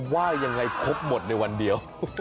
ว่ายังไงครบหมดในวันเดียว